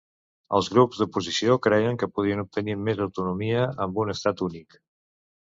Els grups d'oposició creien que podien obtenir més autonomia amb un estat únic.